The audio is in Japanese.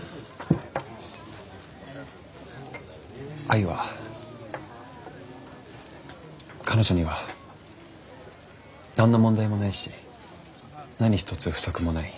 愛は彼女には何の問題もないし何一つ不足もない。